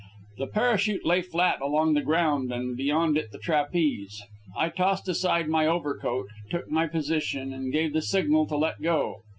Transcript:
The parachute lay flat along the ground and beyond it the trapeze. I tossed aside my overcoat, took my position, and gave the signal to let go.